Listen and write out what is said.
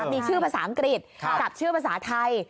มีชื่อภาษาอังกฤษกับชื่อภาษาไทย